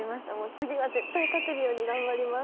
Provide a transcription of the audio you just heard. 次は絶対勝てるように頑張ります。